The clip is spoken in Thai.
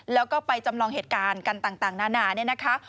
แล้วก็ไปจำลองเหตุการณ์กันต่างนานาเนี่ยนะคะ